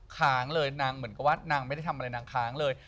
ค้างเลยนางเหมือนกับว่านางไม่ได้ทำอะไรนางค้างเลย